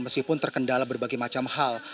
meskipun terkendala berbagai macam hal